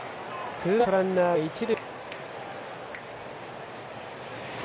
ツーアウトランナーが一塁。